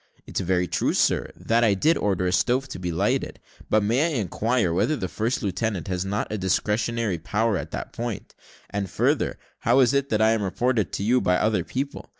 "It's very true, sir, that I did order a stove to be lighted; but may I inquire whether the first lieutenant has not a discretionary power in that point? and further, how is it that I am reported to you by other people?